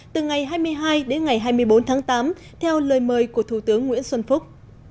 từ ngày hai mươi hai đến ngày hai mươi bốn tháng tám theo lời mời của thủ tướng nguyễn xuân phúc